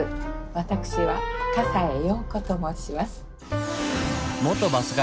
私は笠江洋子と申します。